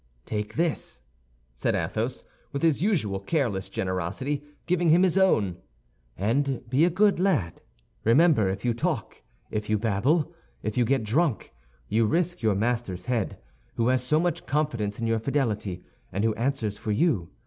"Take this," said Athos, with his usual careless generosity, giving him his own, "and be a good lad. Remember, if you talk, if you babble, if you get drunk, you risk your master's head, who has so much confidence in your fidelity, and who answers for you.